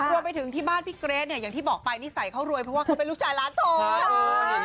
รวมไปถึงที่บ้านพี่เกรทเนี่ยอย่างที่บอกไปนิสัยเขารวยเพราะว่าเขาเป็นลูกชายร้านผม